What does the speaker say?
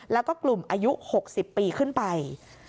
แล้วก็กลุ่มอายุ๖๐ปีขึ้นไป